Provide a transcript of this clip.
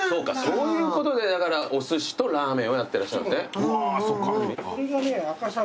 そういうことでおすしとラーメンをやってらっしゃるんですね。